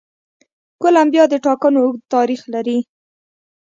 کولمبیا د ټاکنو اوږد تاریخ لري.